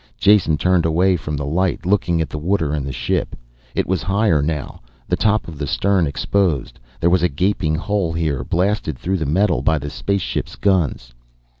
Jason turned away from the light, looking at the water and the ship. It was higher now, the top of the stern exposed. There was a gaping hole here, blasted through the metal by the spaceship's guns.